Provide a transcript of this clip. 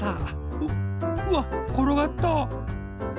ううわっころがった。